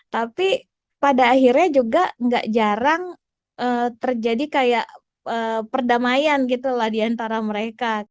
tapi pada akhirnya juga gak jarang terjadi kayak perdamaian gitu lah diantara mereka